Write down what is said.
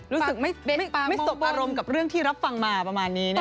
รู้สึกไม่สบอารมณ์กับเรื่องที่รับฟังมาประมาณนี้นะคะ